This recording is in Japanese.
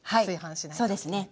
そうですね。